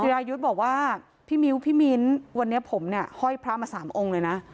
รายุทธ์บอกว่าพี่มิ้วพี่มิ้นวันนี้ผมเนี่ยห้อยพระมา๓องค์เลยนะ